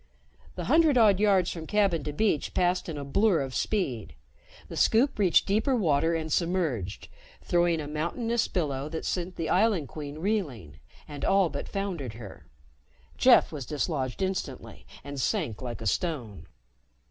The hundred odd yards from cabin to beach passed in a blur of speed. The Scoop reached deeper water and submerged, throwing a mountainous billow that sent the Island Queen reeling and all but foundered her. Jeff was dislodged instantly and sank like a stone.